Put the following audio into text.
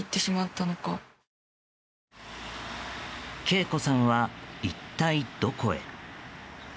敬子さんは、一体どこへ。